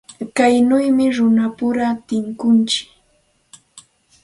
Kaynawmi runapura tunkuntsik.